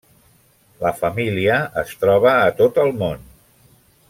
La família es troba a tot el món.